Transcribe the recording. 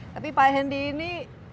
tapi pak hendi ini